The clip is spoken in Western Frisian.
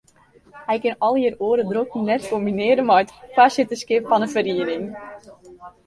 Hij kin allegear oare drokten net kombinearje mei it foarsitterskip fan 'e feriening.